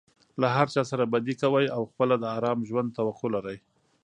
له هرچا سره بدي کوى او خپله د آرام ژوند توقع لري.